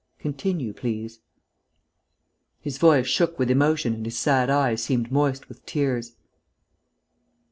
Continue, please." His voice shook with emotion and his sad eyes seemed moist with tears.